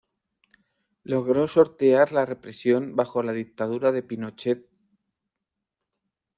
Logró sortear la represión bajo la Dictadura de Pinochet.